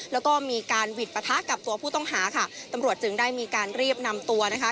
แล้วก็มีการหวิดปะทะกับตัวผู้ต้องหาค่ะตำรวจจึงได้มีการรีบนำตัวนะคะ